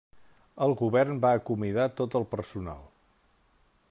El govern va acomiadar tot el personal.